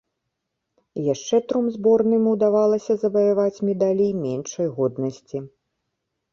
Яшчэ тром зборным удавалася заваяваць медалі меншай годнасці.